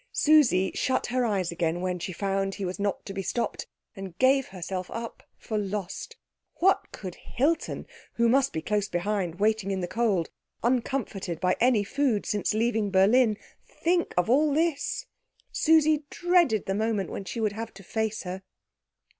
Susie shut her eyes again when she found he was not to be stopped, and gave herself up for lost. What could Hilton, who must be close behind waiting in the cold, uncomforted by any food since leaving Berlin, think of all this? Susie dreaded the moment when she would have to face her.